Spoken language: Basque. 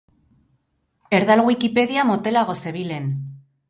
Erdal wikipedia motelago zebilen.